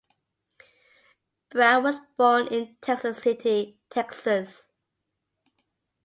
Brown was born in Texas City, Texas.